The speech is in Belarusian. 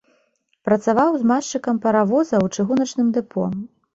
Працаваў змазчыкам паравоза ў чыгуначным дэпо.